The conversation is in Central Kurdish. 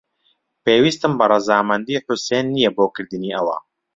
پێویستیم بە ڕەزامەندیی حوسێن نییە بۆ کردنی ئەوە.